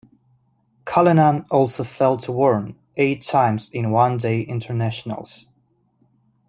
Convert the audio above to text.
Cullinan also fell to Warne eight times in One-Day Internationals.